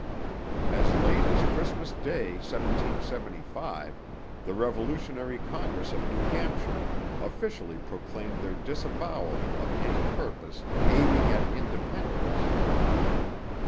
As late as Christmas Day 1775 the revolutionary congress of New Hampshire officially proclaimed their disavowal of any purpose 'aiming at independence.'